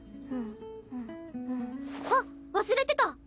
あっ忘れてた！